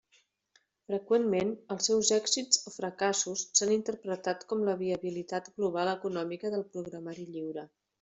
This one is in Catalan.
Freqüentment, els seus èxits o fracassos s'han interpretat com la viabilitat global econòmica del programari lliure.